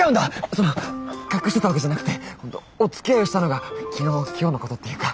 その隠してたわけじゃなくておつきあいをしたのが昨日今日のことっていうか。